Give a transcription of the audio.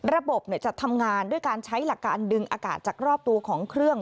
ระบบจะทำงานด้วยการใช้หลักการดึงอากาศจากรอบตัวของเครื่อง